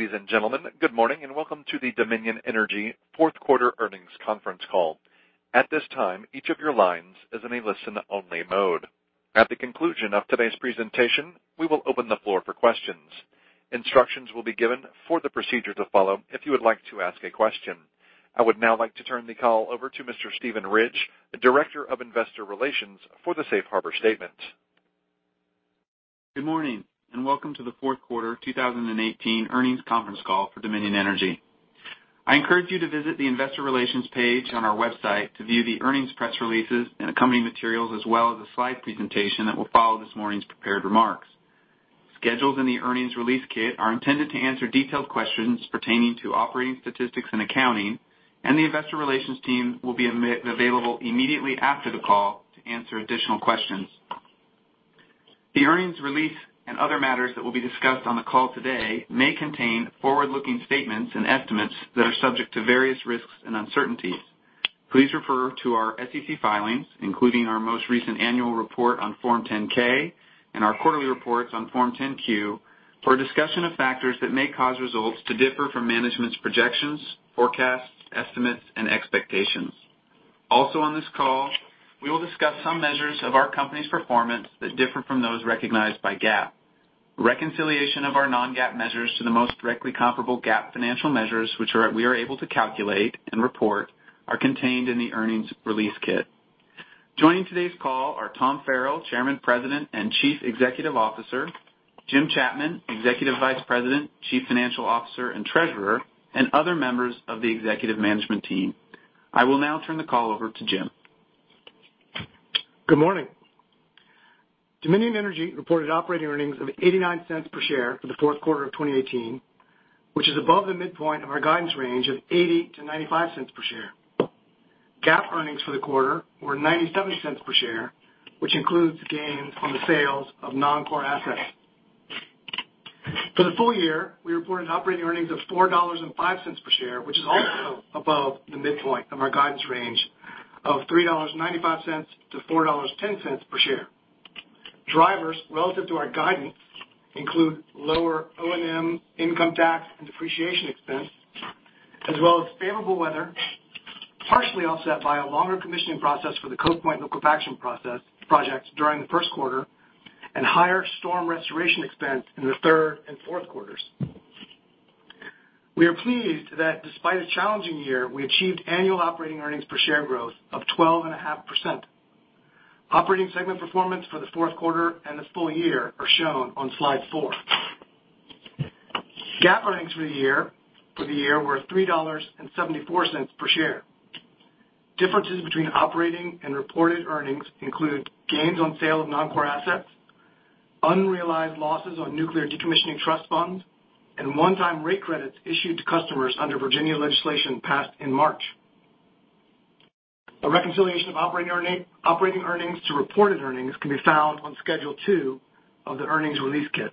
Ladies and gentlemen, good morning. Welcome to the Dominion Energy fourth quarter earnings conference call. At this time, each of your lines is in a listen-only mode. At the conclusion of today's presentation, we will open the floor for questions. Instructions will be given for the procedure to follow if you would like to ask a question. I would now like to turn the call over to Mr. Steven Ridge, the Director of Investor Relations, for the safe harbor statement. Good morning. Welcome to the fourth quarter 2018 earnings conference call for Dominion Energy. I encourage you to visit the investor relations page on our website to view the earnings press releases and accompanying materials, as well as a slide presentation that will follow this morning's prepared remarks. Schedules in the earnings release kit are intended to answer detailed questions pertaining to operating statistics and accounting. The investor relations team will be available immediately after the call to answer additional questions. The earnings release and other matters that will be discussed on the call today may contain forward-looking statements and estimates that are subject to various risks and uncertainties. Please refer to our SEC filings, including our most recent annual report on Form 10-K and our quarterly reports on Form 10-Q, for a discussion of factors that may cause results to differ from management's projections, forecasts, estimates, and expectations. Also on this call, we will discuss some measures of our company's performance that differ from those recognized by GAAP. Reconciliation of our non-GAAP measures to the most directly comparable GAAP financial measures, which we are able to calculate and report, are contained in the earnings release kit. Joining today's call are Tom Farrell, Chairman, President, and Chief Executive Officer. Jim Chapman, Executive Vice President, Chief Financial Officer, and Treasurer. Other members of the executive management team. I will now turn the call over to Jim. Good morning. Dominion Energy reported operating earnings of $0.89 per share for the fourth quarter of 2018, which is above the midpoint of our guidance range of $0.80-$0.95 per share. GAAP earnings for the quarter were $0.97 per share, which includes gains on the sales of non-core assets. For the full year, we reported operating earnings of $4.05 per share, which is also above the midpoint of our guidance range of $3.95-$4.10 per share. Drivers relative to our guidance include lower O&M, income tax and depreciation expense, as well as favorable weather, partially offset by a longer commissioning process for the Cove Point Liquefaction Project during the first quarter, and higher storm restoration expense in the third and fourth quarters. We are pleased that despite a challenging year, we achieved annual operating earnings per share growth of 12.5%. Operating segment performance for the fourth quarter and the full year are shown on Slide 4. GAAP earnings for the year were $3.74 per share. Differences between operating and reported earnings include gains on sale of non-core assets, unrealized losses on nuclear decommissioning trust funds, and one-time rate credits issued to customers under Virginia legislation passed in March. A reconciliation of operating earnings to reported earnings can be found on Schedule 2 of the earnings release kit.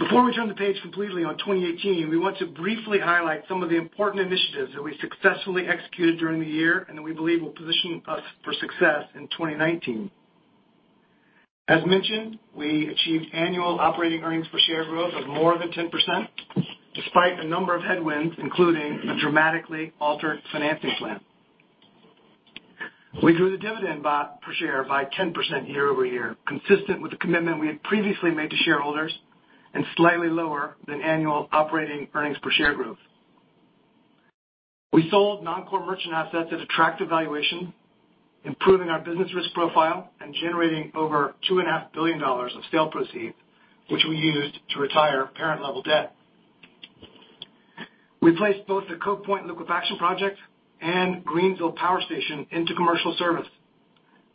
Before we turn the page completely on 2018, we want to briefly highlight some of the important initiatives that we successfully executed during the year and that we believe will position us for success in 2019. As mentioned, we achieved annual operating earnings per share growth of more than 10%, despite a number of headwinds, including a dramatically altered financing plan. We grew the dividend per share by 10% year-over-year, consistent with the commitment we had previously made to shareholders and slightly lower than annual operating earnings per share growth. We sold non-core merchant assets at attractive valuation, improving our business risk profile and generating over $2.5 billion of sale proceeds, which we used to retire parent-level debt. We placed both the Cove Point Liquefaction Project and Greensville Power Station into commercial service,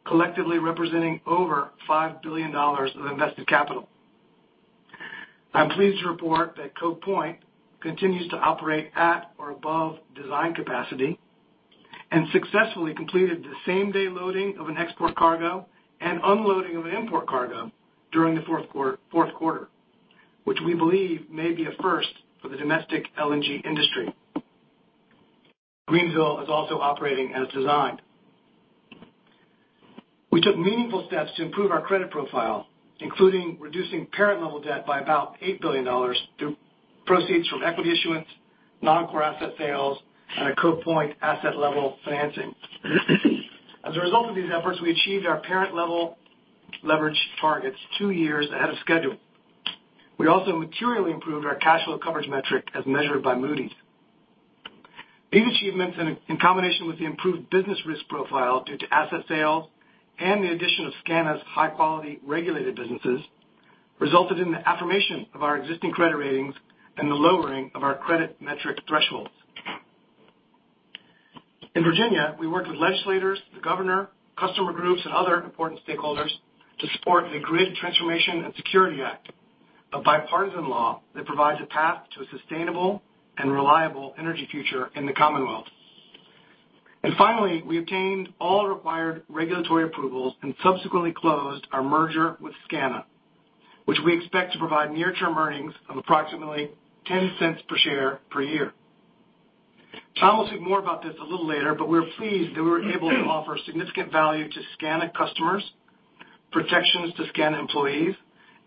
collectively representing over $5 billion of invested capital. I'm pleased to report that Cove Point continues to operate at or above design capacity and successfully completed the same-day loading of an export cargo and unloading of an import cargo during the fourth quarter, which we believe may be a first for the domestic LNG industry. Greensville is also operating as designed. We took meaningful steps to improve our credit profile, including reducing parent-level debt by about $8 billion through proceeds from equity issuance, non-core asset sales, and a Cove Point asset-level financing. As a result of these efforts, we achieved our parent-level leverage targets two years ahead of schedule. We also materially improved our cash flow coverage metric as measured by Moody's. These achievements, in combination with the improved business risk profile due to asset sales and the addition of SCANA's high-quality regulated businesses, resulted in the affirmation of our existing credit ratings and the lowering of our credit metric thresholds. In Virginia, we worked with legislators, the governor, customer groups, and other important stakeholders to support the Grid Transformation and Security Act, a bipartisan law that provides a path to a sustainable and reliable energy future in the Commonwealth. Finally, we obtained all required regulatory approvals and subsequently closed our merger with SCANA, which we expect to provide near-term earnings of approximately $0.10 per share per year. Tom will speak more about this a little later, but we're pleased that we were able to offer significant value to SCANA customers, protections to SCANA employees,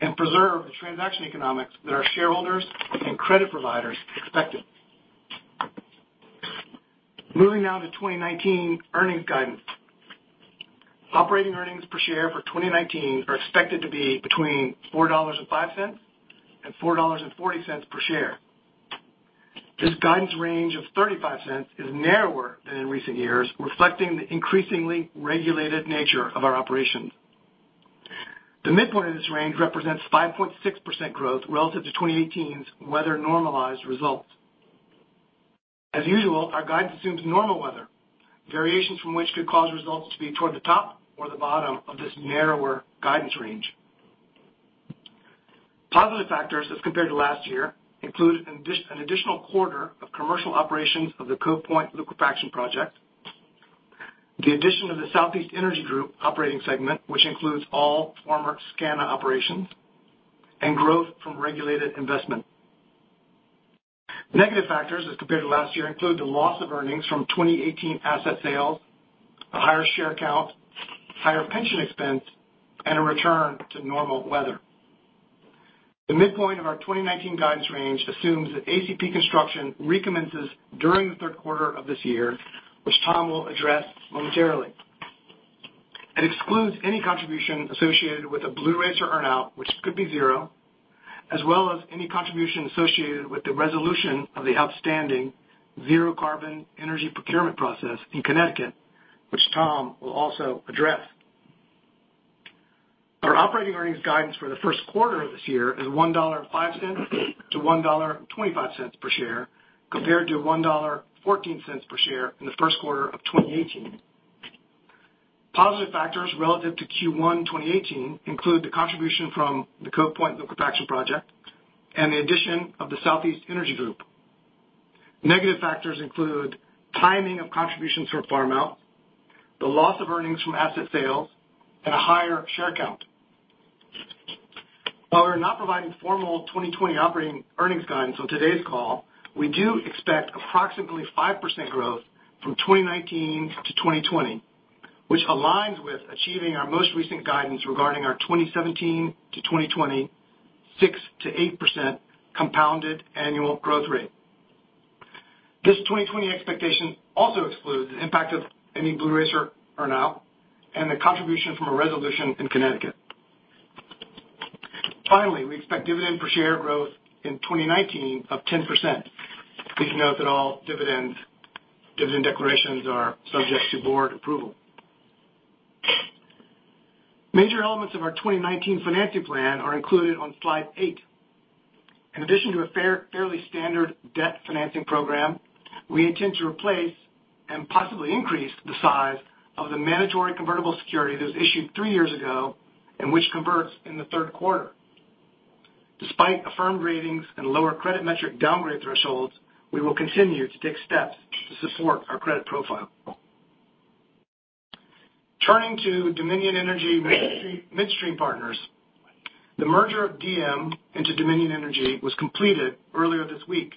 and preserve the transaction economics that our shareholders and credit providers expected. Moving now to 2019 earnings guidance. Operating earnings per share for 2019 are expected to be between $4.05 and $4.40 per share. This guidance range of $0.35 is narrower than in recent years, reflecting the increasingly regulated nature of our operations. The midpoint of this range represents 5.6% growth relative to 2018's weather-normalized results. As usual, our guidance assumes normal weather, variations from which could cause results to be toward the top or the bottom of this narrower guidance range. Positive factors as compared to last year include an additional quarter of commercial operations of the Cove Point Liquefaction Project, the addition of the Southeast Energy Group operating segment, which includes all former SCANA operations, and growth from regulated investment. Negative factors as compared to last year include the loss of earnings from 2018 asset sales, a higher share count, higher pension expense, and a return to normal weather. The midpoint of our 2019 guidance range assumes that ACP construction recommences during the third quarter of this year, which Tom will address momentarily. It excludes any contribution associated with a Blue Racer earnout, which could be zero, as well as any contribution associated with the resolution of the outstanding zero-carbon energy procurement process in Connecticut, which Tom will also address. Our operating earnings guidance for the first quarter of this year is $1.05-$1.25 per share, compared to $1.14 per share in the first quarter of 2018. Positive factors relative to Q1 2018 include the contribution from the Cove Point Liquefaction Project and the addition of the Southeast Energy Group. Negative factors include timing of contributions for farmout, the loss of earnings from asset sales, and a higher share count. While we're not providing formal 2020 operating earnings guidance on today's call, we do expect approximately 5% growth from 2019 to 2020, which aligns with achieving our most recent guidance regarding our 2017 to 2020 6%-8% compounded annual growth rate. This 2020 expectation also excludes the impact of any Blue Racer earnout and the contribution from a resolution in Connecticut. Finally, we expect dividend per share growth in 2019 of 10%. Please note that all dividend declarations are subject to board approval. Major elements of our 2019 financing plan are included on Slide 8. In addition to a fairly standard debt financing program, we intend to replace and possibly increase the size of the mandatory convertible security that was issued three years ago and which converts in the third quarter. Despite affirmed ratings and lower credit metric downgrade thresholds, we will continue to take steps to support our credit profile. Turning to Dominion Energy Midstream Partners, the merger of DM into Dominion Energy was completed earlier this week.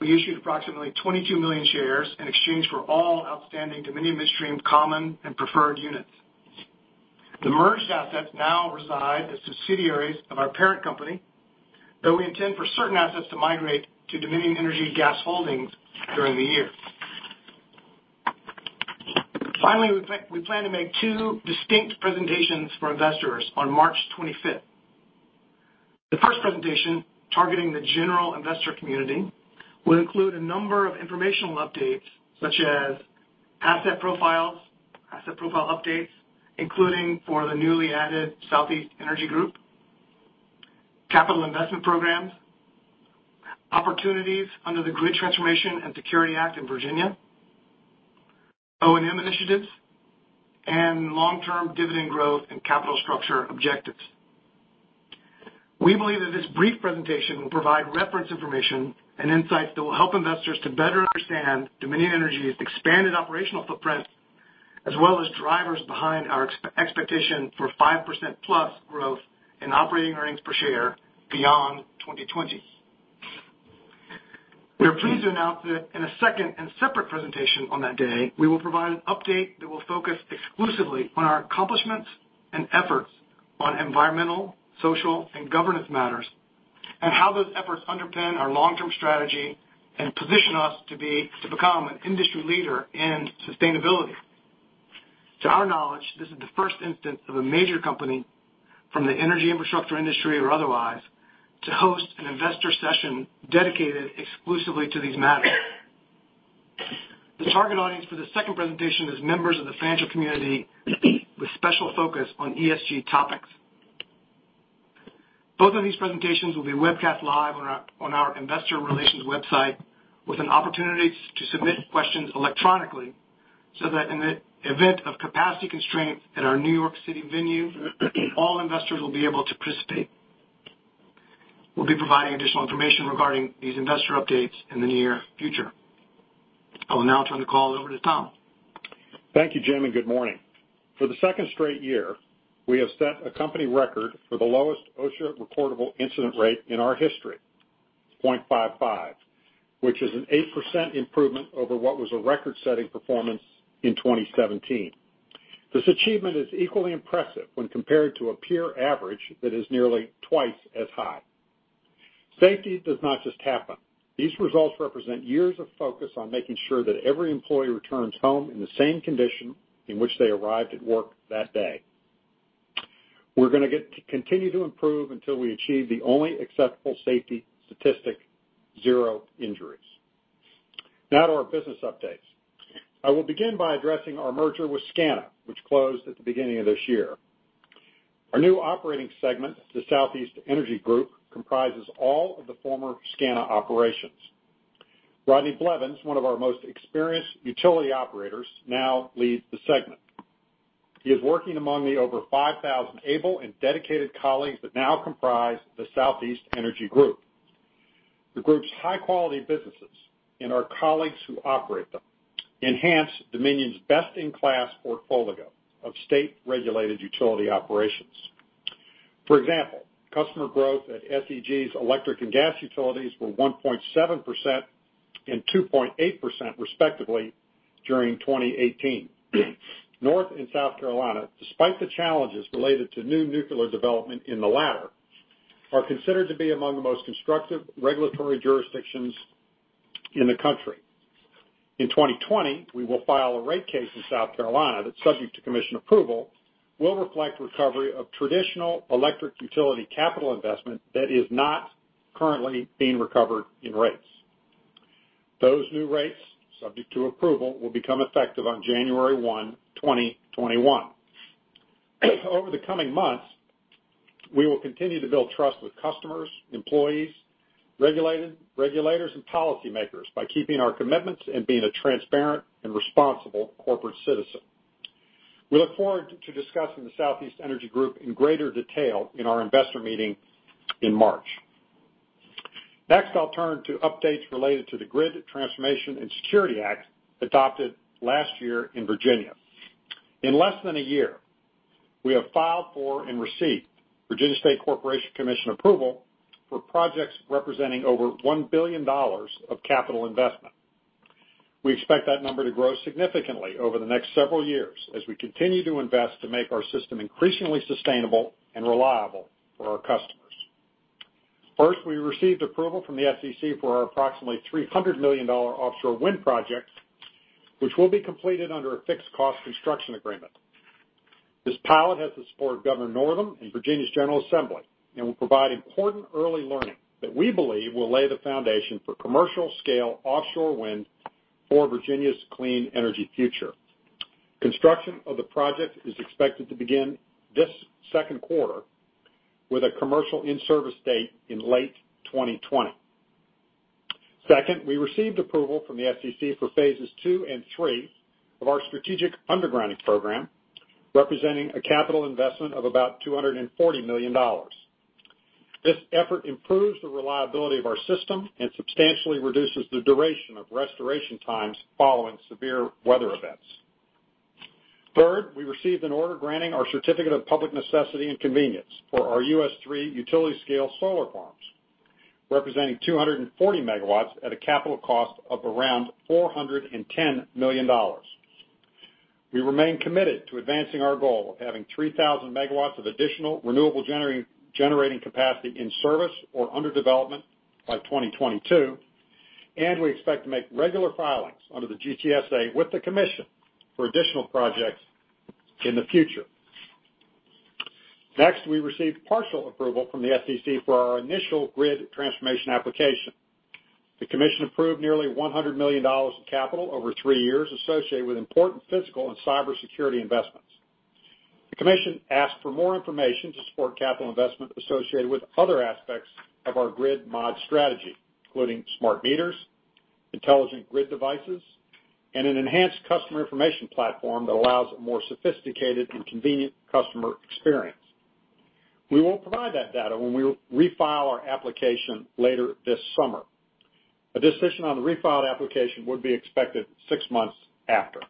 We issued approximately 22 million shares in exchange for all outstanding Dominion Midstream common and preferred units. The merged assets now reside as subsidiaries of our parent company, though we intend for certain assets to migrate to Dominion Energy Gas Holdings during the year. Finally, we plan to make two distinct presentations for investors on March 25. The first presentation, targeting the general investor community, will include a number of informational updates such as asset profiles, asset profile updates, including for the newly added Southeast Energy Group, capital investment programs, opportunities under the Grid Transformation and Security Act in Virginia, O&M initiatives, and long-term dividend growth and capital structure objectives. We believe that this brief presentation will provide reference information and insights that will help investors to better understand Dominion Energy's expanded operational footprint, as well as drivers behind our expectation for 5%+ growth in operating earnings per share beyond 2020. We are pleased to announce that in a second and separate presentation on that day, we will provide an update that will focus exclusively on our accomplishments and efforts on environmental, social, and governance matters, and how those efforts underpin our long-term strategy and position us to become an industry leader in sustainability. To our knowledge, this is the first instance of a major company from the energy infrastructure industry or otherwise to host an investor session dedicated exclusively to these matters. The target audience for the second presentation is members of the financial community with special focus on ESG topics. Both of these presentations will be webcast live on our investor relations website with an opportunity to submit questions electronically so that in the event of capacity constraints at our New York City venue, all investors will be able to participate. We will be providing additional information regarding these investor updates in the near future. I will now turn the call over to Tom. Thank you, Jim, and good morning. For the second straight year, we have set a company record for the lowest OSHA recordable incident rate in our history, 0.55, which is an 8% improvement over what was a record-setting performance in 2017. This achievement is equally impressive when compared to a peer average that is nearly twice as high. Safety does not just happen. These results represent years of focus on making sure that every employee returns home in the same condition in which they arrived at work that day. We are going to continue to improve until we achieve the only acceptable safety statistic, zero injuries. Now to our business updates. I will begin by addressing our merger with SCANA, which closed at the beginning of this year. Our new operating segment, the Southeast Energy Group, comprises all of the former SCANA operations. Rodney Blevins, one of our most experienced utility operators, now leads the segment. He is working among the over 5,000 able and dedicated colleagues that now comprise the Southeast Energy Group. The group's high-quality businesses, and our colleagues who operate them, enhance Dominion's best-in-class portfolio of state-regulated utility operations. For example, customer growth at SEG's electric and gas utilities were 1.7% and 2.8%, respectively, during 2018. North and South Carolina, despite the challenges related to new nuclear development in the latter, are considered to be among the most constructive regulatory jurisdictions in the country. In 2020, we will file a rate case in South Carolina that, subject to commission approval, will reflect recovery of traditional electric utility capital investment that is not currently being recovered in rates. Those new rates, subject to approval, will become effective on January 1, 2021. Over the coming months, we will continue to build trust with customers, employees, regulators, and policymakers by keeping our commitments and being a transparent and responsible corporate citizen. We look forward to discussing the Southeast Energy Group in greater detail in our investor meeting in March. Next, I'll turn to updates related to the Grid Transformation and Security Act adopted last year in Virginia. In less than a year, we have filed for and received Virginia State Corporation Commission approval for projects representing over $1 billion of capital investment. We expect that number to grow significantly over the next several years as we continue to invest to make our system increasingly sustainable and reliable for our customers. First, we received approval from the SCC for our approximately $300 million offshore wind project, which will be completed under a fixed-cost construction agreement. This pilot has the support of Governor Northam and Virginia's General Assembly and will provide important early learning that we believe will lay the foundation for commercial-scale offshore wind for Virginia's clean energy future. Construction of the project is expected to begin this second quarter with a commercial in-service date in late 2020. Second, we received approval from the SCC for phases 2 and 3 of our strategic undergrounding program, representing a capital investment of about $240 million. This effort improves the reliability of our system and substantially reduces the duration of restoration times following severe weather events. Third, we received an order granting our Certificate of Public Convenience and Necessity for our US3 utility-scale solar farms, representing 240 MW at a capital cost of around $410 million. We remain committed to advancing our goal of having 3,000 MW of additional renewable generating capacity in service or under development by 2022, and we expect to make regular filings under the GTSA with the commission for additional projects in the future. Next, we received partial approval from the SCC for our initial grid transformation application. The commission approved nearly $100 million in capital over three years associated with important physical and cyber security investments. The commission asked for more information to support capital investment associated with other aspects of our grid mod strategy, including smart meters, intelligent grid devices, and an enhanced customer information platform that allows a more sophisticated and convenient customer experience. We will provide that data when we refile our application later this summer. A decision on the refiled application would be expected six months after.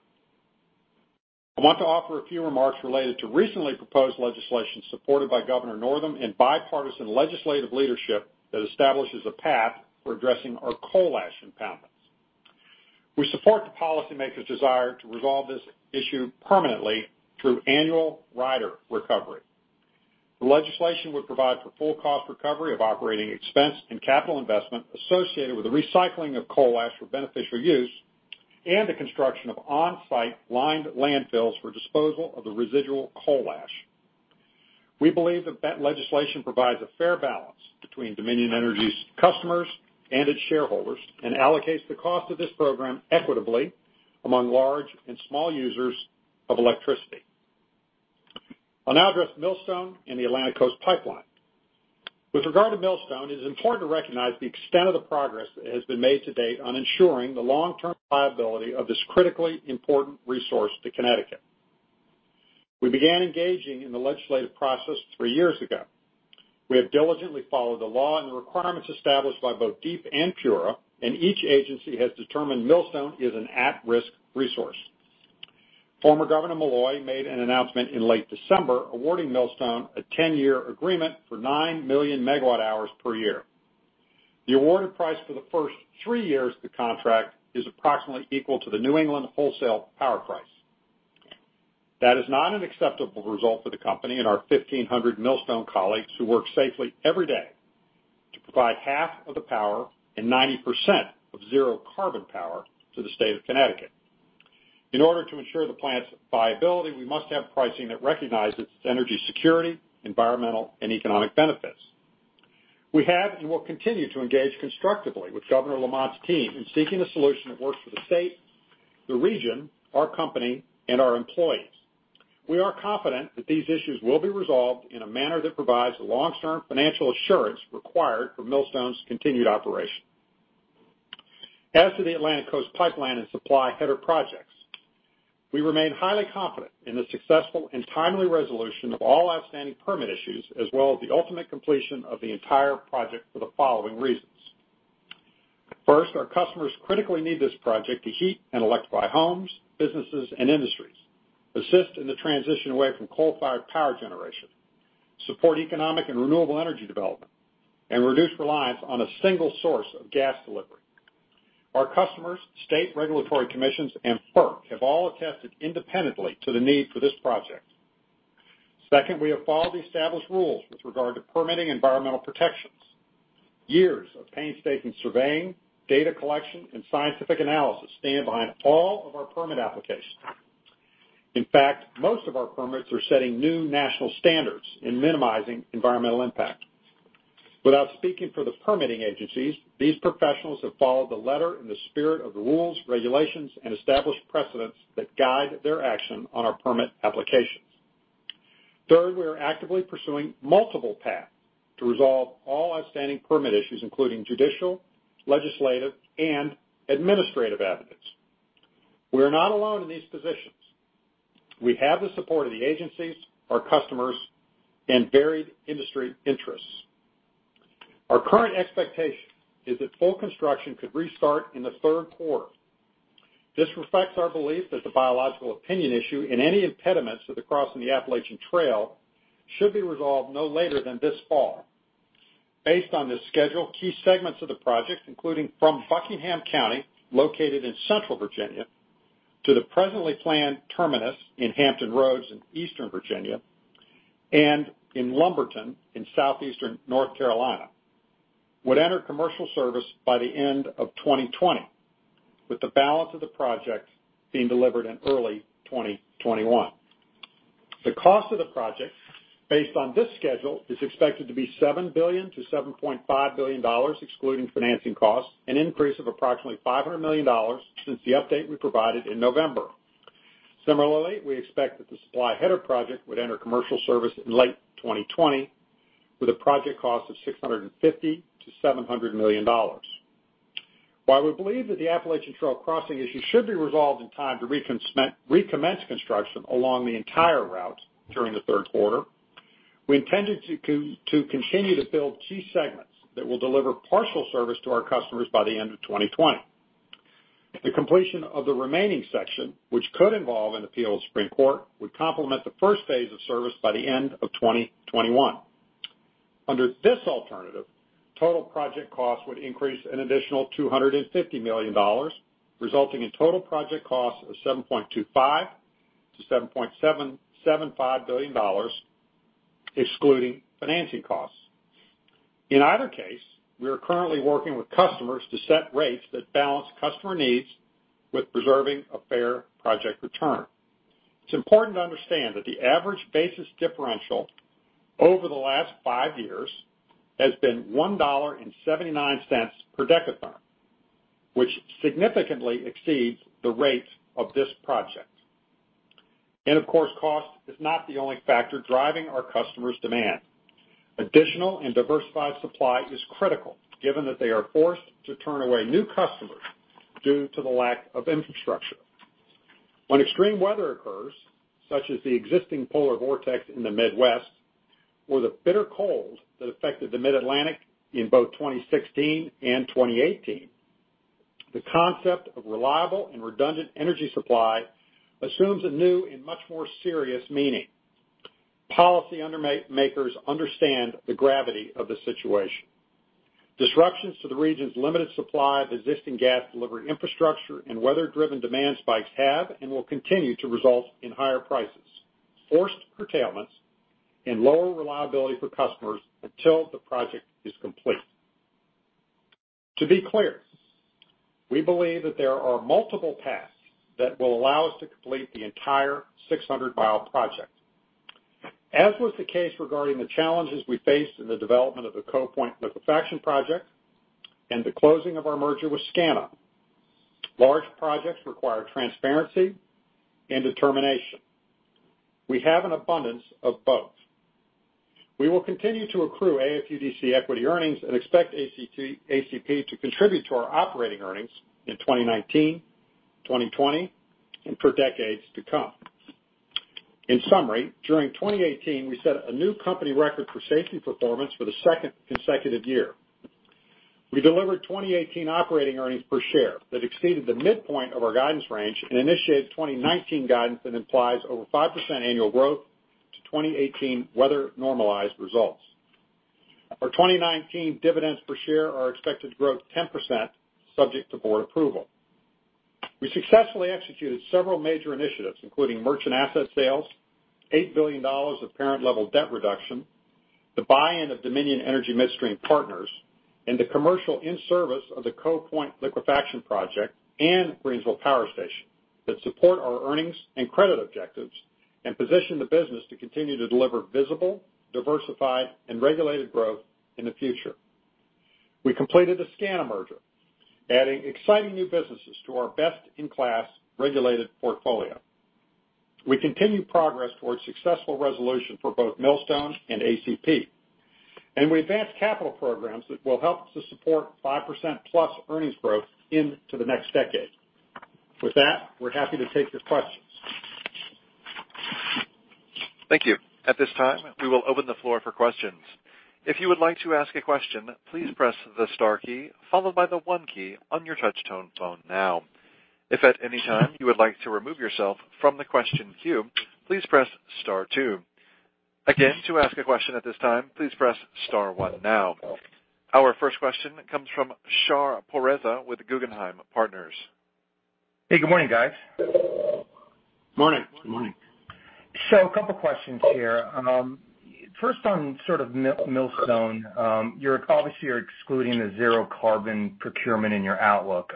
I want to offer a few remarks related to recently proposed legislation supported by Governor Northam and bipartisan legislative leadership that establishes a path for addressing our coal ash impoundments. We support the policymakers' desire to resolve this issue permanently through annual rider recovery. The legislation would provide for full cost recovery of operating expense and capital investment associated with the recycling of coal ash for beneficial use and the construction of on-site lined landfills for disposal of the residual coal ash. We believe that that legislation provides a fair balance between Dominion Energy's customers and its shareholders and allocates the cost of this program equitably among large and small users of electricity. I'll now address Millstone and the Atlantic Coast Pipeline. With regard to Millstone, it is important to recognize the extent of the progress that has been made to date on ensuring the long-term viability of this critically important resource to Connecticut. We began engaging in the legislative process three years ago. We have diligently followed the law and the requirements established by both DEEP and PURA, and each agency has determined Millstone is an at-risk resource. Former Governor Malloy made an announcement in late December awarding Millstone a 10-year agreement for 9 million megawatt-hours per year. The awarded price for the first three years of the contract is approximately equal to the New England wholesale power price. That is not an acceptable result for the company and our 1,500 Millstone colleagues who work safely every day to provide half of the power and 90% of zero-carbon power to the state of Connecticut. In order to ensure the plant's viability, we must have pricing that recognizes its energy security, environmental, and economic benefits. We have and will continue to engage constructively with Governor Lamont's team in seeking a solution that works for the state, the region, our company, and our employees. We are confident that these issues will be resolved in a manner that provides the long-term financial assurance required for Millstone's continued operation. As to the Atlantic Coast Pipeline and Supply Header Project, we remain highly confident in the successful and timely resolution of all outstanding permit issues, as well as the ultimate completion of the entire project for the following reasons. First, our customers critically need this project to heat and electrify homes, businesses, and industries, assist in the transition away from coal-fired power generation, support economic and renewable energy development, and reduce reliance on a single source of gas delivery. Our customers, state regulatory commissions, and FERC have all attested independently to the need for this project. Second, we have followed the established rules with regard to permitting environmental protections. Years of painstaking surveying, data collection, and scientific analysis stand behind all of our permit applications. In fact, most of our permits are setting new national standards in minimizing environmental impact. Without speaking for the permitting agencies, these professionals have followed the letter and the spirit of the rules, regulations, and established precedents that guide their action on our permit applications. Third, we are actively pursuing multiple paths to resolve all outstanding permit issues, including judicial, legislative, and administrative avenues. We are not alone in these positions. We have the support of the agencies, our customers, and varied industry interests. Our current expectation is that full construction could restart in the third quarter. This reflects our belief that the biological opinion issue and any impediments to the crossing the Appalachian Trail should be resolved no later than this fall. Based on this schedule, key segments of the project, including from Buckingham County, located in central Virginia, to the presently planned terminus in Hampton Roads in eastern Virginia, and in Lumberton in southeastern North Carolina, would enter commercial service by the end of 2020, with the balance of the project being delivered in early 2021. The cost of the project based on this schedule is expected to be $7 billion-$7.5 billion, excluding financing costs, an increase of approximately $500 million since the update we provided in November. Similarly, we expect that the Supply Header Project would enter commercial service in late 2020 with a project cost of $650 million-$700 million. While we believe that the Appalachian Trail crossing issue should be resolved in time to recommence construction along the entire route during the third quarter, we intended to continue to build key segments that will deliver partial service to our customers by the end of 2020. The completion of the remaining section, which could involve an appeal to the Supreme Court, would complement the first phase of service by the end of 2021. Under this alternative, total project costs would increase an additional $250 million, resulting in total project costs of $7.25 billion-$7.75 billion, excluding financing costs. In either case, we are currently working with customers to set rates that balance customer needs with preserving a fair project return. It's important to understand that the average basis differential over the last five years has been $1.79 per dekatherm, which significantly exceeds the rates of this project. Of course, cost is not the only factor driving our customers' demand. Additional and diversified supply is critical given that they are forced to turn away new customers due to the lack of infrastructure. When extreme weather occurs, such as the existing polar vortex in the Midwest, or the bitter cold that affected the mid-Atlantic in both 2016 and 2018, the concept of reliable and redundant energy supply assumes a new and much more serious meaning. Policy makers understand the gravity of the situation. Disruptions to the region's limited supply of existing gas delivery infrastructure and weather-driven demand spikes have and will continue to result in higher prices, forced curtailments, and lower reliability for customers until the project is complete. To be clear, we believe that there are multiple paths that will allow us to complete the entire 600-mile project. As was the case regarding the challenges we faced in the development of the Cove Point Liquefaction Project and the closing of our merger with SCANA, large projects require transparency and determination. We have an abundance of both. We will continue to accrue AFUDC equity earnings and expect ACP to contribute to our operating earnings in 2019, 2020, and for decades to come. In summary, during 2018, we set a new company record for safety performance for the second consecutive year. We delivered 2018 operating earnings per share that exceeded the midpoint of our guidance range and initiated 2019 guidance that implies over 5% annual growth to 2018 weather-normalized results. Our 2019 dividends per share are expected to grow 10%, subject to board approval. We successfully executed several major initiatives, including merchant asset sales, $8 billion of parent-level debt reduction, the buy-in of Dominion Energy Midstream Partners, and the commercial in-service of the Cove Point Liquefaction Project and Greensville Power Station that support our earnings and credit objectives and position the business to continue to deliver visible, diversified, and regulated growth in the future. We completed the SCANA merger, adding exciting new businesses to our best-in-class regulated portfolio. We continue progress towards successful resolution for both Millstone and ACP. We advanced capital programs that will help to support 5%+ earnings growth into the next decade. With that, we're happy to take your questions. Thank you. At this time, we will open the floor for questions. If you would like to ask a question, please press the star key followed by the one key on your touch tone phone now. If at any time you would like to remove yourself from the question queue, please press star two. Again, to ask a question at this time, please press star one now. Our first question comes from Shar Pourreza with Guggenheim Partners. Hey, good morning, guys. Morning. Good morning. A couple of questions here. First on sort of Millstone. Obviously, you're excluding the zero-carbon procurement in your outlook.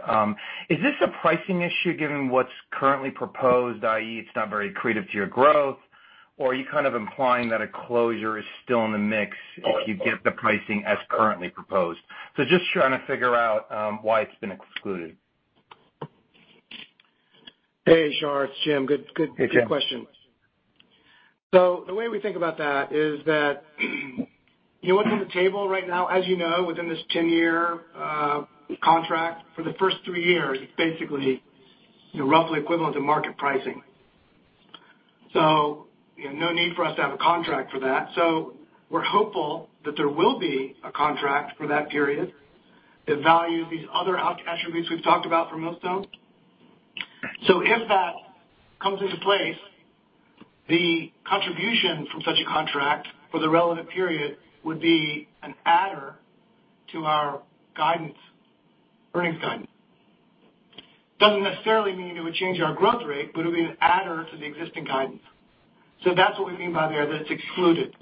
Is this a pricing issue given what's currently proposed, i.e., it's not very accretive to your growth? Or are you kind of implying that a closure is still in the mix if you get the pricing as currently proposed? Just trying to figure out why it's been excluded. Hey, Shar, it's Jim. Good question. Hey, Jim. The way we think about that is that what's on the table right now, as you know, within this 10-year contract for the first three years, it's basically roughly equivalent to market pricing. No need for us to have a contract for that. We're hopeful that there will be a contract for that period that value these other attributes we've talked about for Millstone. If that comes into place, the contribution from such a contract for the relevant period would be an adder to our earnings guidance. Doesn't necessarily mean it would change our growth rate, but it would be an adder to the existing guidance. That's what we mean by there that it's excluded.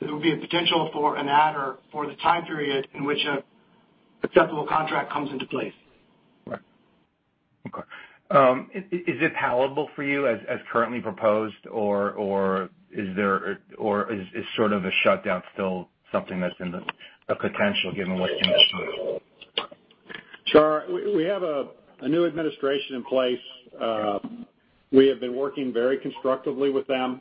That it would be a potential for an adder for the time period in which an acceptable contract comes into place. Right. Okay. Is it palatable for you as currently proposed, or is sort of a shutdown still something that's in the potential given what you just said? Shar, we have a new administration in place. We have been working very constructively with them.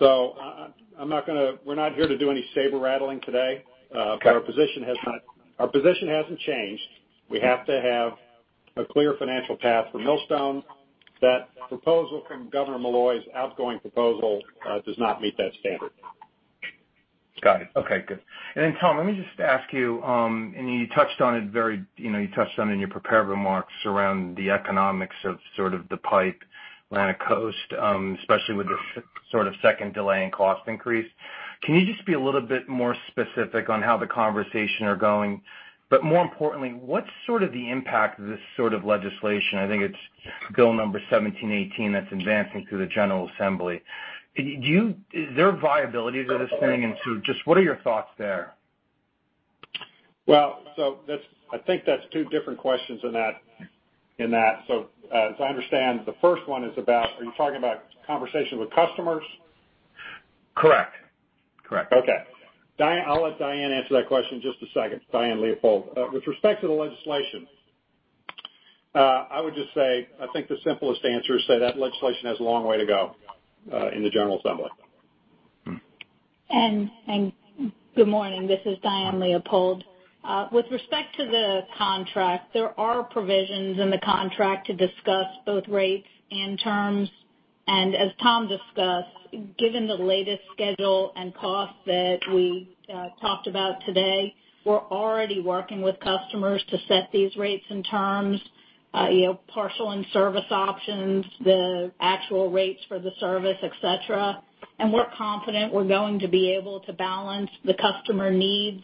We're not here to do any saber-rattling today. Okay. Our position hasn't changed. We have to have a clear financial path for Millstone. That proposal from Governor Malloy's outgoing proposal does not meet that standard. Got it. Okay, good. Then, Tom, let me just ask you, and you touched on it in your prepared remarks around the economics of sort of the pipe, Atlantic Coast, especially with the sort of second delay and cost increase. Can you just be a little bit more specific on how the conversation are going, more importantly, what's sort of the impact of this sort of legislation? I think it's Bill 1718 that's advancing through the General Assembly. Is there viability to this thing, just what are your thoughts there? I think that's two different questions in that. As I understand, the first one is about, are you talking about conversations with customers? Correct. Okay. I'll let Diane answer that question in just a second, Diane Leopold. With respect to the legislation, I would just say, I think the simplest answer is say that legislation has a long way to go, in the General Assembly. Good morning, this is Diane Leopold. With respect to the contract, there are provisions in the contract to discuss both rates and terms. As Tom discussed, given the latest schedule and cost that we talked about today, we're already working with customers to set these rates and terms, partial in-service options, the actual rates for the service, et cetera. We're confident we're going to be able to balance the customer needs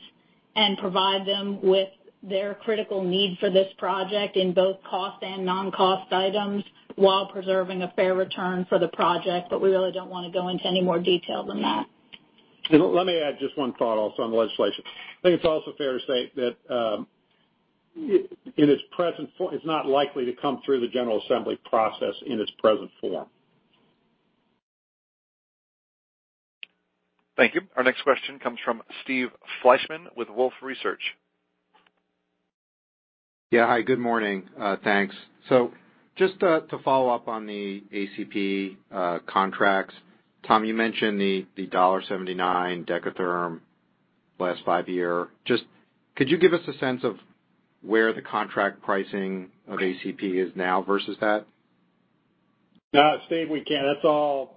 and provide them with their critical need for this project in both cost and non-cost items while preserving a fair return for the project. We really don't want to go into any more detail than that. Let me add just one thought also on the legislation. I think it's also fair to say that it's not likely to come through the General Assembly process in its present form. Thank you. Our next question comes from Steve Fleishman with Wolfe Research. Hi, good morning. Thanks. Just to follow up on the ACP contracts, Tom, you mentioned the $1.79 dekatherm last five years. Just could you give us a sense of where the contract pricing of ACP is now versus that? No, Steve, we can't. That's all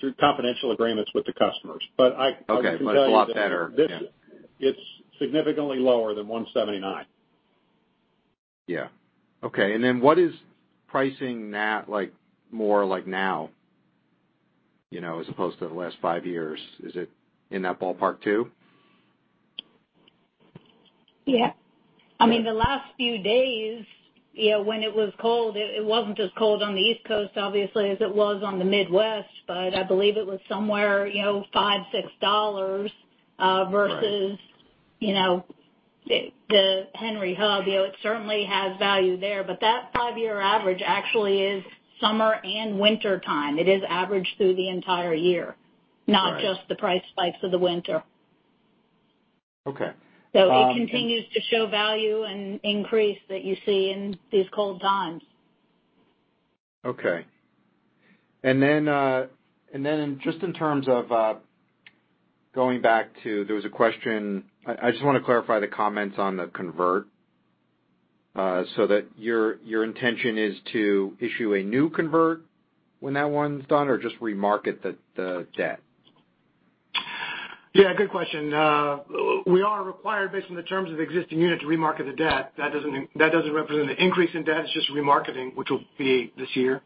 through confidential agreements with the customers. I can tell you that. Okay. It's a lot better. It's significantly lower than $1.79. Yeah. Okay. What is pricing more like now as opposed to the last five years? Is it in that ballpark, too? Yeah. The last few days, when it was cold, it wasn't as cold on the East Coast, obviously, as it was on the Midwest, I believe it was somewhere, $5, $6, versus- Right the Henry Hub. It certainly has value there. That five-year average actually is summer and wintertime. It is averaged through the entire year- Right not just the price spikes of the winter. Okay. It continues to show value and increase that you see in these cold times. Okay. Then just in terms of there was a question, I just want to clarify the comments on the convert, so that your intention is to issue a new convert when that one's done or just remarket the debt? Yeah, good question. We are required based on the terms of the existing unit to remarket the debt. That doesn't represent an increase in debt. It's just remarketing, which will be this year.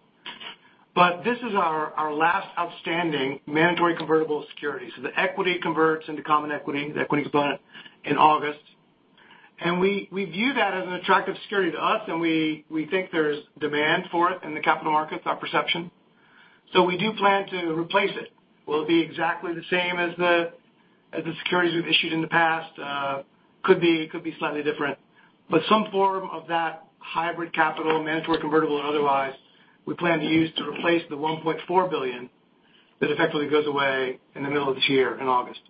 This is our last outstanding mandatory convertible security. The equity converts into common equity, the equity component in August. We view that as an attractive security to us, and we think there's demand for it in the capital markets, our perception. We do plan to replace it. Will it be exactly the same as the securities we've issued in the past? Could be slightly different, but some form of that hybrid capital, mandatory convertible and otherwise, we plan to use to replace the $1.4 billion that effectively goes away in the middle of this year in August.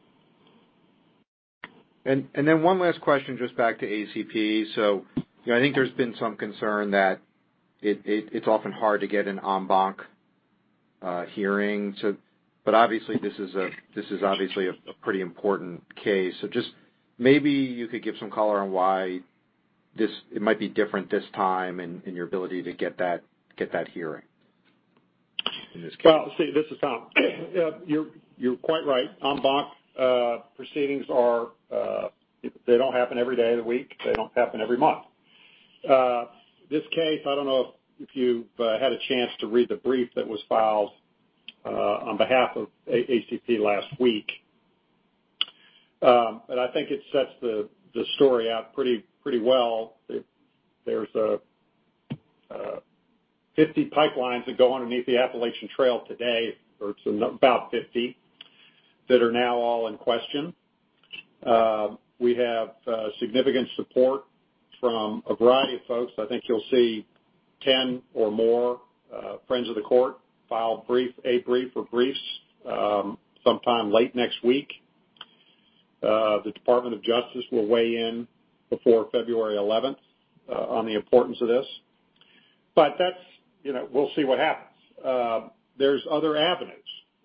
Then one last question, just back to ACP. I think there's been some concern that it's often hard to get an en banc hearing. This is obviously a pretty important case. Just maybe you could give some color on why it might be different this time and your ability to get that hearing in this case. Well, Steve, this is Tom. You're quite right. En banc proceedings, they don't happen every day of the week. They don't happen every month. This case, I don't know if you've had a chance to read the brief that was filed on behalf of ACP last week. I think it sets the story out pretty well. There's 50 pipelines that go underneath the Appalachian Trail today, or about 50, that are now all in question. We have significant support from a variety of folks. I think you'll see 10 or more friends of the court file a brief or briefs sometime late next week. The Department of Justice will weigh in before February 11th on the importance of this. We'll see what happens. There's other avenues,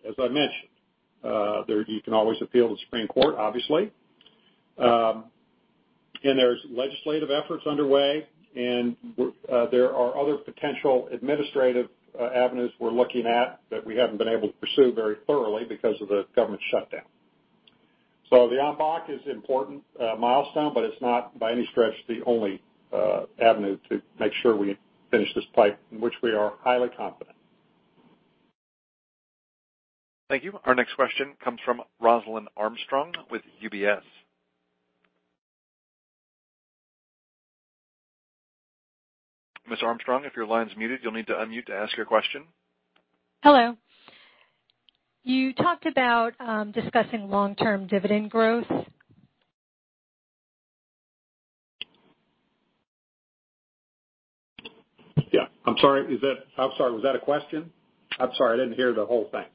as I mentioned. You can always appeal to the Supreme Court, obviously. There's legislative efforts underway, and there are other potential administrative avenues we're looking at that we haven't been able to pursue very thoroughly because of the government shutdown. The en banc is important milestone, but it's not by any stretch the only avenue to make sure we finish this pipe in which we are highly confident. Thank you. Our next question comes from Rose-Lynn Armstrong with UBS. Ms. Armstrong, if your line's muted, you'll need to unmute to ask your question. Hello. You talked about discussing long-term dividend growth. Yeah. I'm sorry. Was that a question? I'm sorry. I didn't hear the whole thing.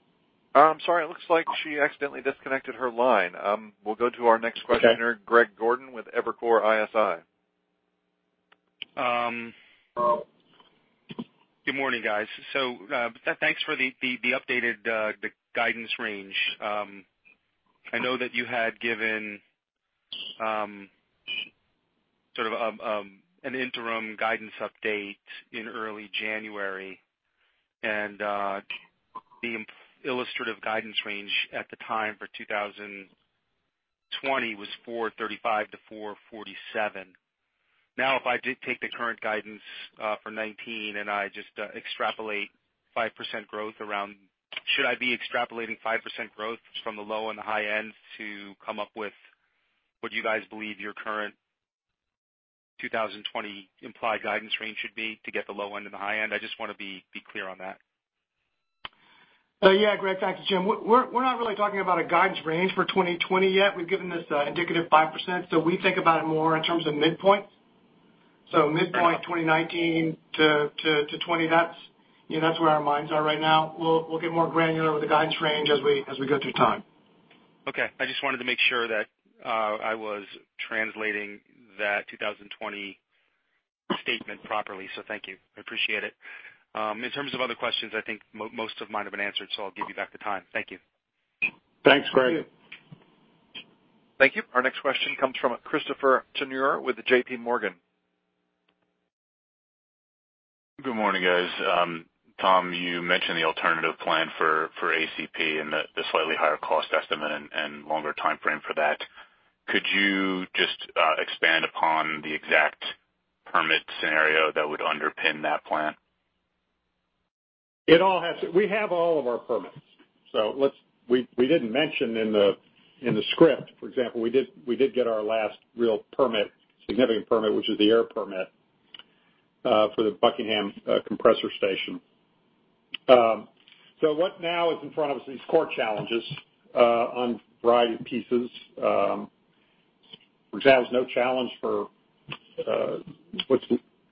I'm sorry. It looks like she accidentally disconnected her line. We'll go to our next questioner- Okay Greg Gordon with Evercore ISI. Good morning, guys. Thanks for the updated guidance range. I know that you had given sort of an interim guidance update in early January, and the illustrative guidance range at the time for 2020 was $4.35-$4.47. If I did take the current guidance for 2019 and I just extrapolate 5% growth, should I be extrapolating 5% growth from the low and the high end to come up with what you guys believe your current 2020 implied guidance range should be to get the low end and the high end? I just want to be clear on that. Greg. Thanks, Jim. We're not really talking about a guidance range for 2020 yet. We've given this indicative 5%, we think about it more in terms of midpoints. Right 2019 to 2020. That's where our minds are right now. We'll get more granular with the guidance range as we go through time. I just wanted to make sure that I was translating that 2020 statement properly. Thank you. I appreciate it. In terms of other questions, I think most of mine have been answered, I'll give you back the time. Thank you. Thanks, Greg. Thank you. Our next question comes from Christopher Turnure with JPMorgan. Good morning, guys. Tom, you mentioned the alternative plan for ACP and the slightly higher cost estimate and longer timeframe for that. Could you just expand upon the exact permit scenario that would underpin that plan? We have all of our permits. We didn't mention in the script, for example, we did get our last real permit, significant permit, which is the air permit, for the Buckingham Compressor Station. What now is in front of us are these court challenges on a variety of pieces. For example, there's no challenge for what's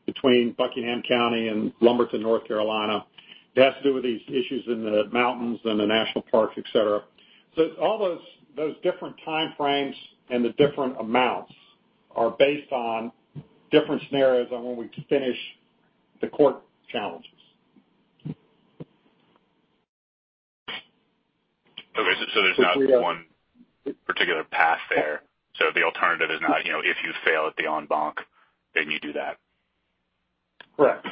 between Buckingham County and Lumberton, North Carolina. That has to do with these issues in the mountains and the national parks, et cetera. All those different timeframes and the different amounts are based on different scenarios on when we finish the court challenges. Okay. There's not one particular path there. The alternative is not, if you fail at the en banc, then you do that. Correct.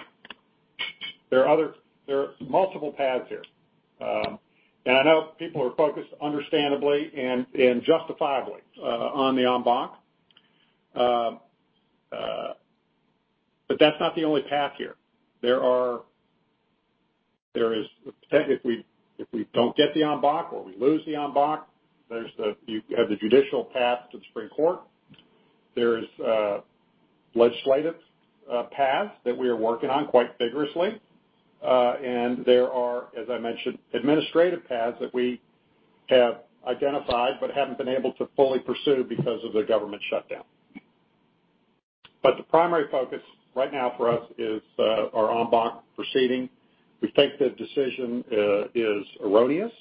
There are multiple paths here. I know people are focused understandably and justifiably on the en banc. That's not the only path here. If we don't get the en banc or we lose the en banc, you have the judicial path to the Supreme Court. There is a legislative path that we are working on quite vigorously. There are, as I mentioned, administrative paths that we have identified but haven't been able to fully pursue because of the government shutdown. The primary focus right now for us is our en banc proceeding. We think the decision is erroneous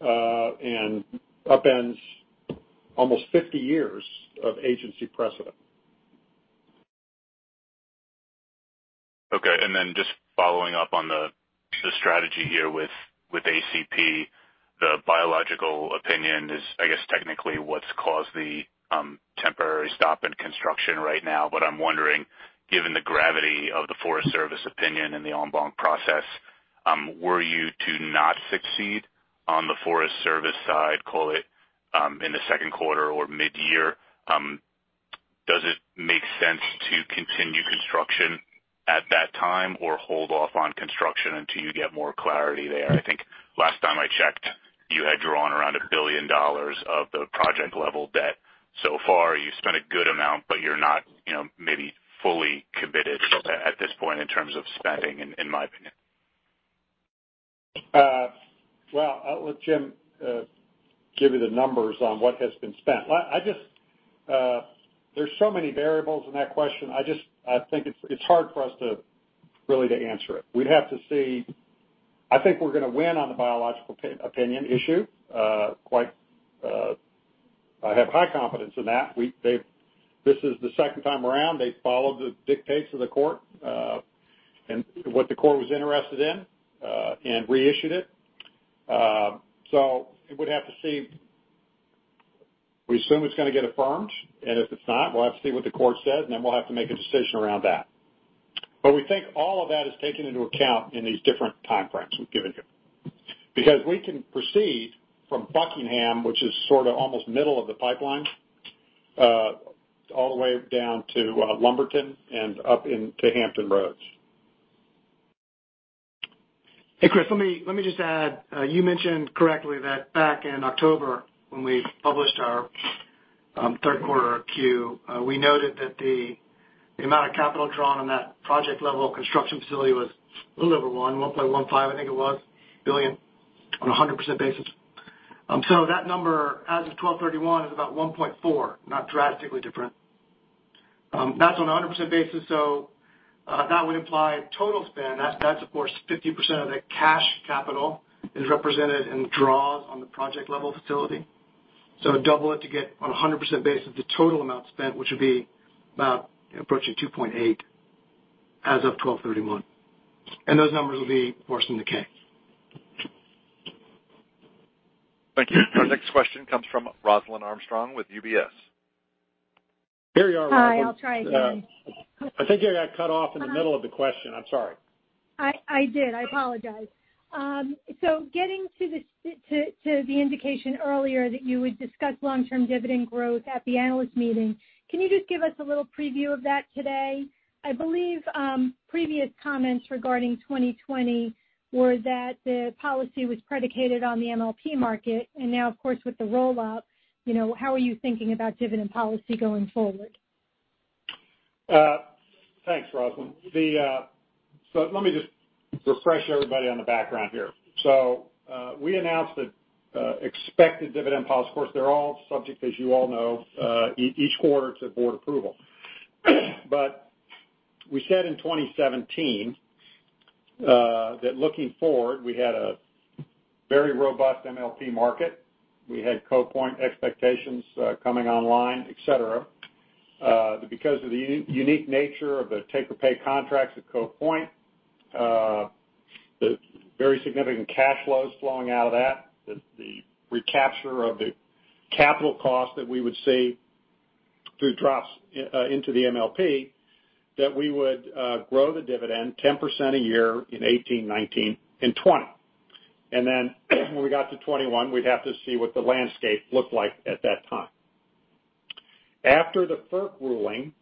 and upends almost 50 years of agency precedent. Okay. Just following up on the strategy here with ACP, the biological opinion is, I guess, technically what's caused the temporary stop in construction right now. I'm wondering, given the gravity of the Forest Service opinion and the en banc process, were you to not succeed on the Forest Service side, call it in the second quarter or mid-year, does it make sense to continue construction at that time or hold off on construction until you get more clarity there? I think last time I checked, you had drawn around $1 billion of the project level debt so far. You've spent a good amount, but you're not maybe fully committed at this point in terms of spending, in my opinion. I'll let Jim give you the numbers on what has been spent. There's so many variables in that question, I think it's hard for us to really answer it. I think we're going to win on the biological opinion issue. I have high confidence in that. This is the second time around. They followed the dictates of the court and what the court was interested in and reissued it. We assume it's going to get affirmed. If it's not, we'll have to see what the court says. Then we'll have to make a decision around that. We think all of that is taken into account in these different timeframes we've given you. We can proceed from Buckingham, which is almost middle of the pipeline all the way down to Lumberton and up into Hampton Roads. Hey, Chris, let me just add. You mentioned correctly that back in October, when we published our third quarter Q, we noted that the amount of capital drawn on that project-level construction facility was a little over $1.15 billion on a 100% basis. That number as of 12/31 is about $1.4 billion, not drastically different. That's on 100% basis. That would imply total spend. That's of course, 50% of the cash capital is represented in draws on the project-level facility. Double it to get on 100% basis of the total amount spent, which would be about approaching $2.8 billion as of 12/31. Those numbers will be worse than the K. Thank you. Our next question comes from Rose-Lynn Armstrong with UBS. There you are, Rose-Lynn. Hi. I'll try again. I think you got cut off in the middle of the question. I'm sorry. I did. I apologize. Getting to the indication earlier that you would discuss long-term dividend growth at the analyst meeting, can you just give us a little preview of that today? I believe previous comments regarding 2020 were that the policy was predicated on the MLP market, now of course with the rollout, how are you thinking about dividend policy going forward? Thanks, Rose-Lynn. Let me just refresh everybody on the background here. We announced the expected dividend policy. Of course, they're all subject, as you all know, each quarter to board approval. We said in 2017. That looking forward, we had a very robust MLP market. We had Cove Point expectations coming online, et cetera. Because of the unique nature of the take-or-pay contracts at Cove Point, the very significant cash flows flowing out of that, the recapture of the capital cost that we would see through drops into the MLP, that we would grow the dividend 10% a year in 2018, 2019, and 2020. Then when we got to 2021, we'd have to see what the landscape looked like at that time. After the FERC ruling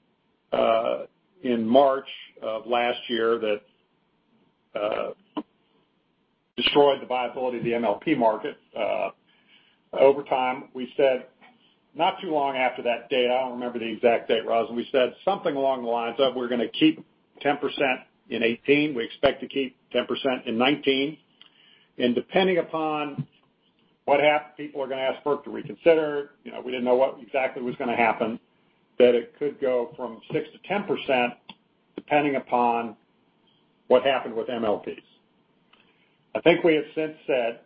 in March of last year that destroyed the viability of the MLP market over time, we said not too long after that date, I don't remember the exact date, Rose-Lynn, we said something along the lines of we're going to keep 10% in 2018. We expect to keep 10% in 2019. Depending upon what people are going to ask FERC to reconsider, we didn't know what exactly was going to happen, that it could go from 6%-10%, depending upon what happened with MLPs. I think we have since said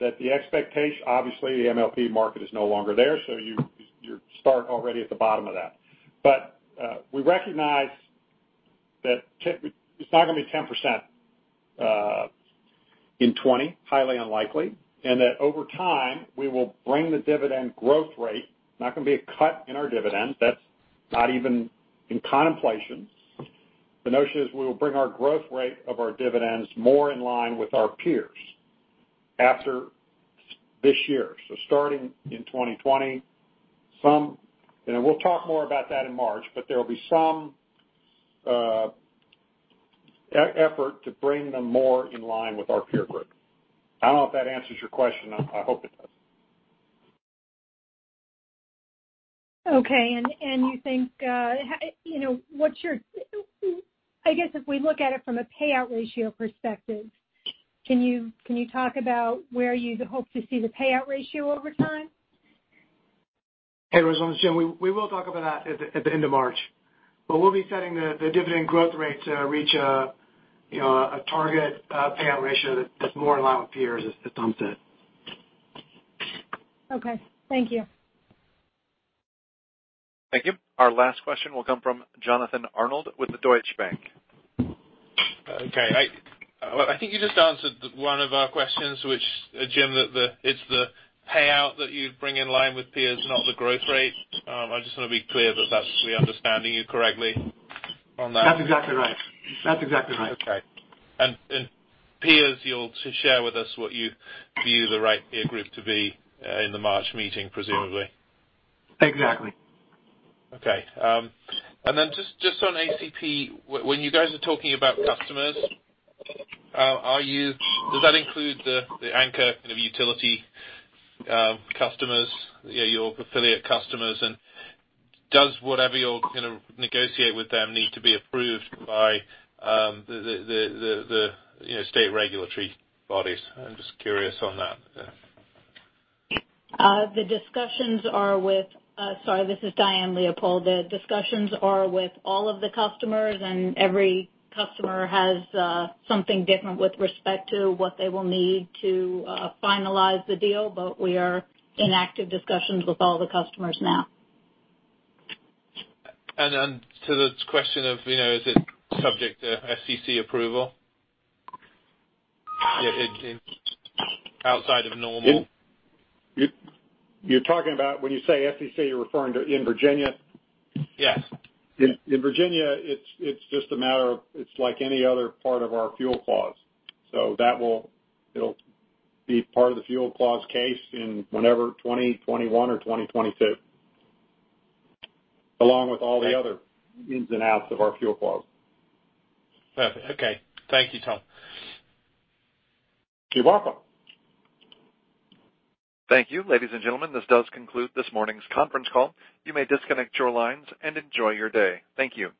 that the expectation. Obviously, the MLP market is no longer there, so you start already at the bottom of that. We recognize that it's not going to be 10% in 2020, highly unlikely, that over time, we will bring the dividend growth rate. Not going to be a cut in our dividend, that's not even in contemplation. The notion is we will bring our growth rate of our dividends more in line with our peers after this year. Starting in 2020. We'll talk more about that in March, there will be some effort to bring them more in line with our peer group. I don't know if that answers your question. I hope it does. Okay. I guess if we look at it from a payout ratio perspective, can you talk about where you hope to see the payout ratio over time? Hey, Rose-Lynn. Jim, we will talk about that at the end of March. We'll be setting the dividend growth rate to reach a target payout ratio that's more in line with peers, as Tom said. Okay. Thank you. Thank you. Our last question will come from Jonathan Arnold with Deutsche Bank. I think you just answered one of our questions, which, Jim, it's the payout that you'd bring in line with peers, not the growth rate. I just want to be clear that we're understanding you correctly on that. That's exactly right. Peers, you'll share with us what you view the right peer group to be in the March meeting, presumably? Exactly. Just on ACP, when you guys are talking about customers, does that include the anchor kind of utility customers, your affiliate customers? And does whatever you're going to negotiate with them need to be approved by the state regulatory bodies? I'm just curious on that. The discussions are, sorry, this is Diane Leopold. The discussions are with all of the customers, every customer has something different with respect to what they will need to finalize the deal. We are in active discussions with all the customers now. To the question of, is it subject to SCC approval? Outside of normal? You're talking about when you say SCC, you're referring to in Virginia? Yes. In Virginia, it's like any other part of our fuel clause. It'll be part of the fuel clause case in whenever 2021 or 2022, along with all the other ins and outs of our fuel clause. Perfect. Okay. Thank you, Tom. You're welcome. Thank you. Ladies and gentlemen, this does conclude this morning's conference call. You may disconnect your lines and enjoy your day. Thank you.